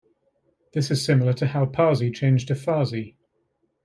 This is similar to how Parsi changed to Farsi.